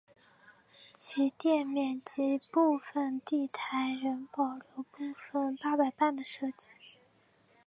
其店面及部份地台仍保留部份八佰伴的设计。